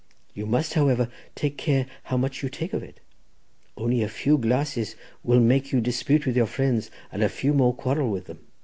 You must, however, take care how much you take of it. Only a few glasses will make you dispute with your friends, and a few more quarrel with them.